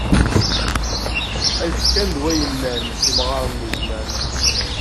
Ay ḥkan d way nnan, imɣaṛen n zzman!